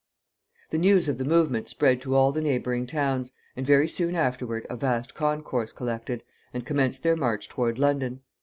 The news of the movement spread to all the neighboring towns, and very soon afterward a vast concourse collected, and commenced their march toward London.